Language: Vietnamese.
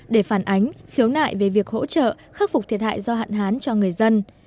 để phản ánh khiếu nại về việc hỗ trợ khắc phục thiệt hại do hạn hán cho người dân